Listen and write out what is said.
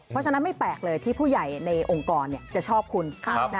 เพราะฉะนั้นไม่แปลกเลยที่ผู้ใหญ่ในองค์กรจะชอบคุณ